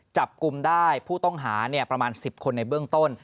จับกลุ่มได้ผู้ต้องหาประมาณ๑๐คนในเบื้องต้น